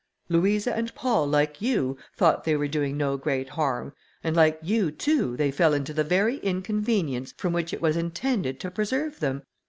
Louisa and Paul, like you, thought they were doing no great harm, and like you, too, they fell into the very inconvenience from which it was intended to preserve them.